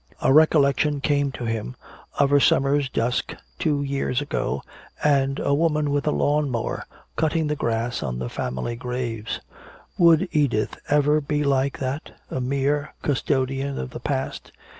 A recollection came to him of a summer's dusk two years ago and a woman with a lawn mower cutting the grass on the family graves. Would Edith ever be like that, a mere custodian of the past?